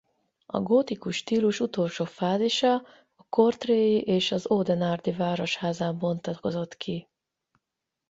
A gótikus stílus utolsó fázisa a courtrai-i és az audenarde-i városházán bontakozott ki.